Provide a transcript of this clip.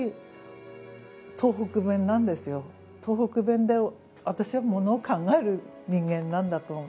東北弁で私はものを考える人間なんだと思う。